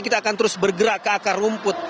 kita akan terus bergerak ke akar rumput